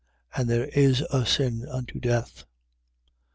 And there is a sin unto death.